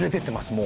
もう。